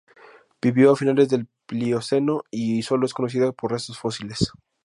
Vivió a finales del Plioceno, y sólo es conocida por restos fósiles.